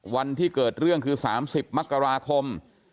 วันที่เกิดเรื่องคือ๓๐มกราคม